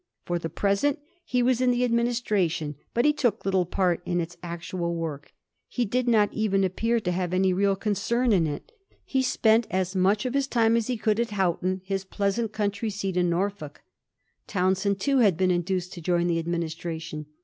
For the present he was in the administration, but he took little part in its actual work. He did not even appear to have any real concern in it. He spent as much of his time as he Digiti zed by Google 1720. A CALM. 239 could at Houghton, his pleasant country seat in Norfolk. Townshend, too, had been induced to join the administration.